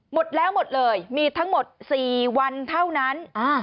หมดแล้วหมดเลยมีทั้งหมด๔วันเท่านั้น